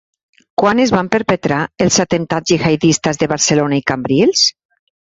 Quan es van perpetrar els atemptats gihadistes de Barcelona i cambrils?